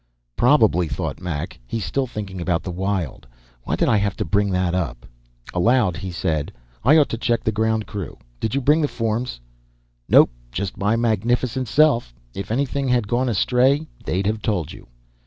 Probably, thought Mac, he's still thinking about the Wyld. Why did I have to bring that up? Aloud, he said, "I ought to check the ground crew. Did you bring the forms?" "Nope. Just my magnificent self. If anything had gone astray, they'd have told you."